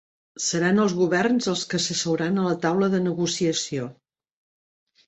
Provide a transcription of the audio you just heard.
Seran els governs els que s'asseuran a la taula de negociació